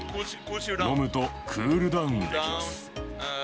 飲むとクールダウンできます。